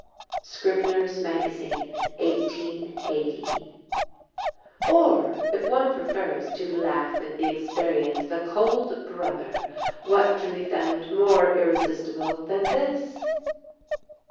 Scribner's Magazine. 1880. Or, if one prefers to laugh at the experience of a "culled" brother, what can be found more irresistible than this?